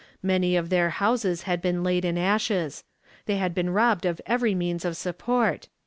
Many of their houses had been laid in ashes. They had been robbed of every means of support.